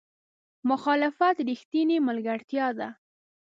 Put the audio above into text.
مخالفت رښتینې ملګرتیا ده.